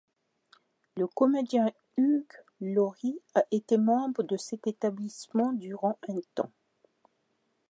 Le comédien Hugh Laurie a été membre de cet établissement durant un temps.